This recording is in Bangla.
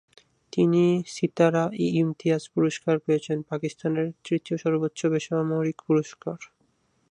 তিনি সিতারা-ই-ইমতিয়াজ পুরস্কার পেয়েছেন, পাকিস্তানের তৃতীয় সর্বোচ্চ বেসামরিক পুরস্কার।